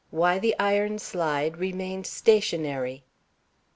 WHY THE IRON SLIDE REMAINED STATIONARY.